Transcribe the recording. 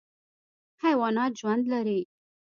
حیوانات ژوند لري.